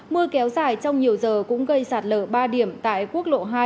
mưa kéo dài trong nhiều giờ cũng gây sạt lở ba điểm tại quốc lộ hai